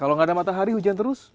kalau nggak ada matahari hujan terus